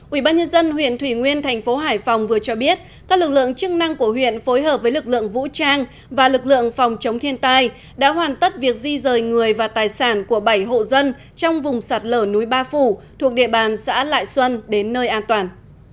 ubnd huyện thủy nguyên thành phố hải phòng vừa cho biết các lực lượng chức năng của huyện phối hợp với lực lượng vũ trang và lực lượng phòng chống thiên tai đã hoàn tất việc di rời người và tài sản của bảy hộ dân trong vùng sạt lở núi ba phủ thuộc địa bàn xã lại xuân đến nơi an toàn